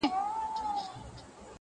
څه مالونه مي راغلي له اېران دي -